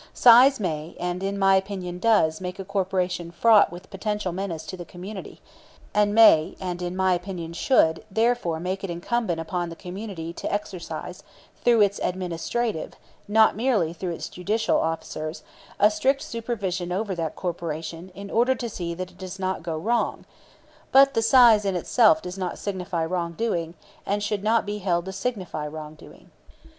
Size may, and in my opinion does, make a corporation fraught with potential menace to the community; and may, and in my opinion should, therefore make it incumbent upon the community to exercise through its administrative (not merely through its judicial) officers a strict supervision over that corporation in order to see that it does not go wrong; but the size in itself does not signify wrong doing, and should not be held to signify wrong doing.